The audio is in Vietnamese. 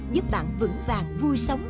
giúp bạn vững vàng vui sống